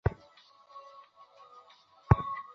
সেই ব্যাপারে তুই অবগত নস, না?